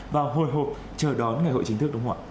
và hồi hộp chờ đón ngày hội chính thức đúng không ạ